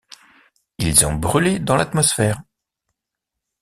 Ils ont brûlé dans l'atmosphère.